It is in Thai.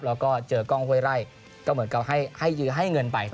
แล้วก็เจอกล้องห้วยไร่ก็เหมือนกับให้ยื้อให้เงินไป